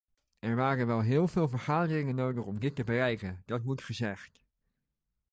Er waren wel heel veel vergaderingen nodig om dit te bereiken, dat moet gezegd.